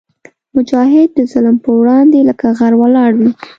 مجاهد د ظلم پر وړاندې لکه غر ولاړ وي.